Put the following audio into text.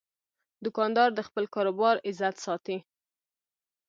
دوکاندار د خپل کاروبار عزت ساتي.